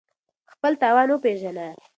خپل توان وپېژنه